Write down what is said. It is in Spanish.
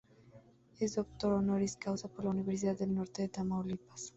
Es Doctor Honoris Causa por la Universidad del Norte de Tamaulipas.